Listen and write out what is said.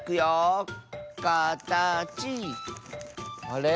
あれ？